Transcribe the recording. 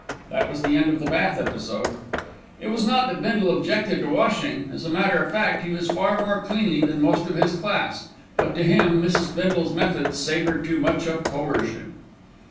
That was the end of the bath episode. It was not that Bindle objected to washing; as a matter of fact he was far more cleanly than most of his class; but to him Mrs. Bindle's methods savoured too much of coercion.